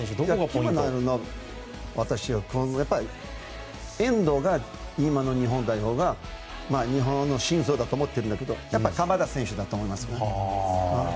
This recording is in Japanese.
キーになるのは遠藤が今の日本代表の日本の心臓だと思っているんだけどやっぱり鎌田選手だと思います。